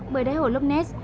bởi đấy hồ lop ness